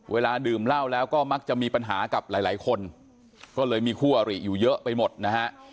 เวลาดื่มเหล้าแล้วก็มักจะมีปัญหากับหลายคนก็เลยมีคู่อริอยู่เยอะไปหมดนะฮะ